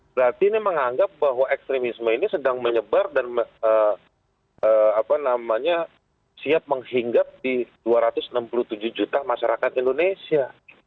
berarti ini menganggap bahwa ekstremisme ini sedang menyebar dan siap menghinggap di dua ratus enam puluh tujuh juta masyarakat indonesia